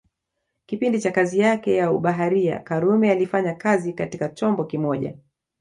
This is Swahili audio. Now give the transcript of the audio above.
Kipindi cha kazi yake ya ubaharia karume alifanya kazi katika chombo kimoja